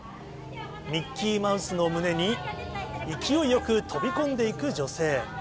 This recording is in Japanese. ミッキーマウスの胸に、勢いよく飛び込んでいく女性。